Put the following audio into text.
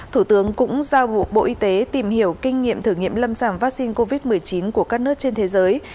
thủ tướng cũng giao vụ bộ y tế tìm hiểu kinh nghiệm thử nghiệm lâm sàng vaccine covid một mươi chín của các nước trên thế giới